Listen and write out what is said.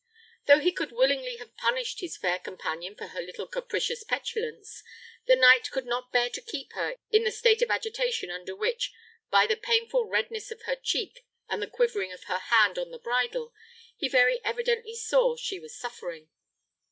Though he could willingly have punished his fair companion for her little capricious petulance, the knight could not bear to keep her in the state of agitation under which, by the painful redness of her cheek and the quivering of her hand on the bridle, he very evidently saw she was suffering.